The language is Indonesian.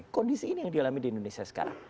kondisi ini yang dialami di indonesia sekarang